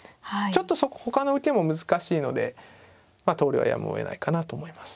ちょっとそこほかの受けも難しいので投了はやむをえないかなと思います。